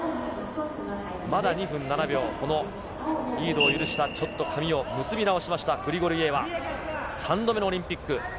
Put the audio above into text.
まだ２分７秒、このリードを許した、ちょっと髪を結び直しました、グリゴルイエワ、３度目のオリンピック。